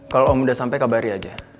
kalau om udah sampai kabari aja